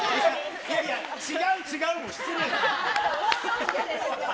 いやいや、違う違うも失礼だろ。